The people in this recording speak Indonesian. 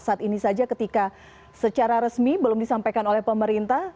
saat ini saja ketika secara resmi belum disampaikan oleh pemerintah